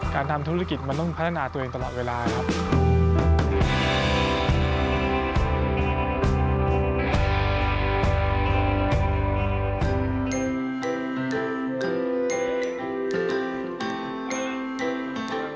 การทำธุรกิจมันต้องพัฒนาตัวเองตลอดเวลาครับ